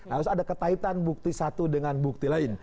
harus ada ketaitan bukti satu dengan bukti lain